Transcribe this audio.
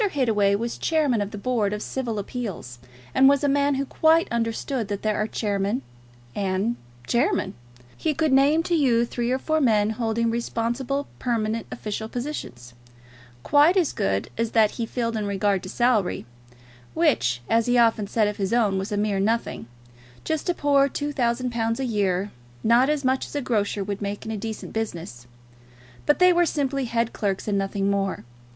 Hittaway was Chairman of the Board of Civil Appeals, and was a man who quite understood that there are chairmen and chairmen. He could name to you three or four men holding responsible permanent official positions quite as good as that he filled in regard to salary, which, as he often said of his own, was a mere nothing, just a poor two thousand pounds a year, not as much as a grocer would make in a decent business, but they were simply head clerks and nothing more.